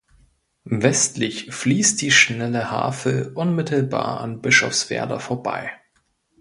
Westlich fließt die Schnelle Havel unmittelbar an Bischofswerder vorbei.